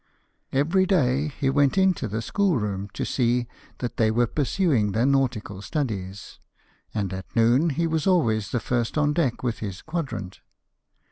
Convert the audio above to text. Every day he went into the schoolroom, to see that they were pursuing their nautical studies ; and at noon he was always the first on deck with his quadrant.